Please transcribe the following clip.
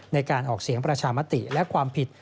ในการออกเสียงประชามติและความผิด